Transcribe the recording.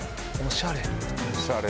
おしゃれ！